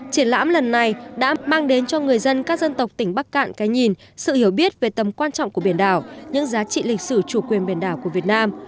triển lãm lần này đã mang đến cho người dân các dân tộc tỉnh bắc cạn cái nhìn sự hiểu biết về tầm quan trọng của biển đảo những giá trị lịch sử chủ quyền biển đảo của việt nam